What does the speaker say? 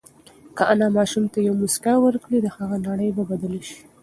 که انا ماشوم ته یوه مسکا ورکړي، د هغه نړۍ به بدله شي.